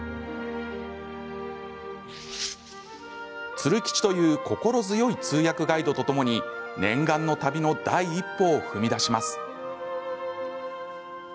鶴吉という心強い通訳ガイドとともに念願の旅の第一歩を踏み出します。